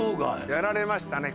やられましたね。